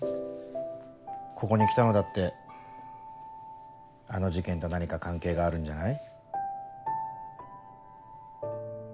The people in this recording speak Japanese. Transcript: ここに来たのだってあの事件と何か関係があるんじゃない？